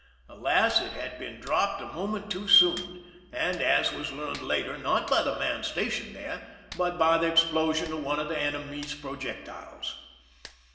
Alas ! it had been dropped a moment too soon, and, as was learned later, not by the man stationed there, but by the explosion of one of the enemy's projec tiles.